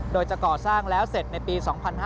โดยจะก่อสร้างแล้วเสร็จในปี๒๕๕๙